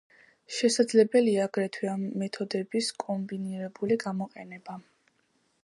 შესაძლებელია აგრეთვე ამ მეთოდების კომბინირებული გამოყენება.